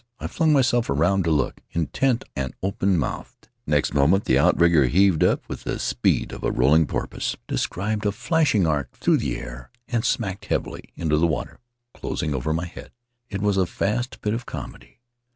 I flung myself around to look, intent and open mouthed. Next moment the outrigger heaved up with the speed of a rolling porpoise, described a flashing arc through the air, and smacked heavily into the water closing over my head. It was a fast bit of comedy.